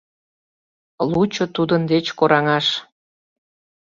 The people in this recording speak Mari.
Лучо тудын деч кораҥаш.